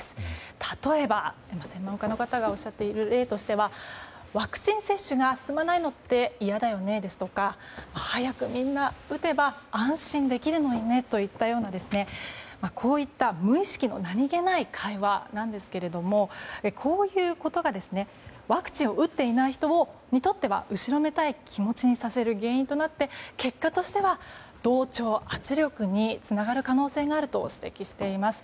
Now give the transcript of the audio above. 例えば専門家の方がおっしゃっている例としてはワクチン接種が進まないのって嫌だよねですとか早くみんな打てば安心できるのにねといった無意識の何気ない会話なんですけれどもこういうことが、ワクチンを打っていない人にとっては後ろめたい気持ちにさせる原因となって結果としては同調圧力につながる可能性があると指摘しています。